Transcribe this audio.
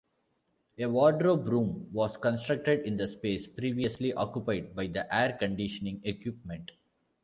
A wardrobe room was constructed in the space previously occupied by the air-conditioning equipment.